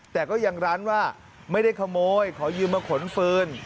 แต่ก็ยังร้านว่าไม่ได้ขโมยขอยืมมาขนฟืน